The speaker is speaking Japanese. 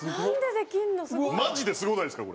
マジですごないですか？